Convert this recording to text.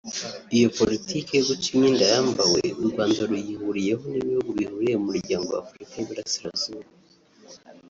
Iyo politike yo guca imyenda yambawe u Rwanda ruyihuriyeho n’ibihugu bihuriye mu Muryango w’Afurika y’Iburasirazuba